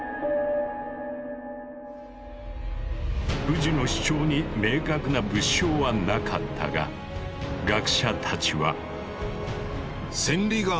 藤の主張に明確な物証はなかったが学者たちは。